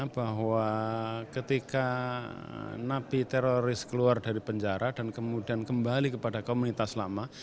bahwa ketika napi teroris keluar dari penjara dan kemudian kembali kepada komunitas lama